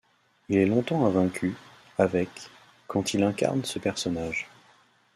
Il est longtemps invaincu avec quand il incarne ce personnage.